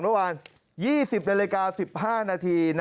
๒๐ในรายการ๑๕นาที